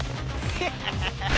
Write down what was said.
ハハハハハ！